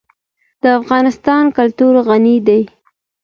د افغانستان کلتور غني دی.